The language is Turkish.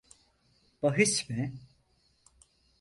Bahis mi?